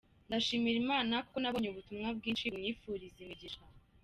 Ndashimira Imana kuko nabonye ubutumwa bwinshi bunyifuriza imigisha.